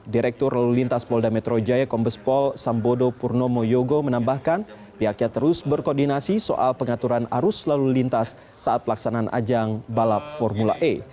direktur lalu lintas polda metro jaya kombespol sambodo purnomo yogo menambahkan pihaknya terus berkoordinasi soal pengaturan arus lalu lintas saat pelaksanaan ajang balap formula e